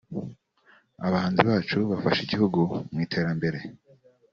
Abahanzi bacu bafasha igihugu mu iterambere